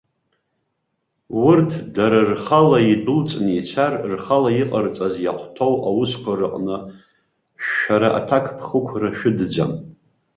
Урҭ дара рхала идәылҵны ицар, рхала иҟарҵаз иахәҭоу аусқәа рҟны шәара аҭакԥхықәра шәыдӡам.